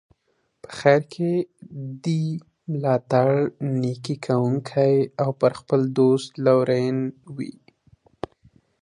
په خیر کې دي ملاتړی، نیکي کوونکی او پر خپل دوست لورین وي.